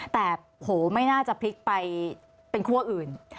แต่โหไม่น่าจะพลิกไปเป็นคั่วอื่น